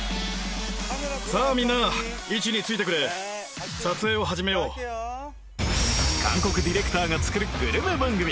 さあみんな韓国ディレクターが作るグルメ番組